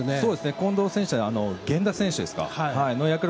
近藤選手、源田選手の役割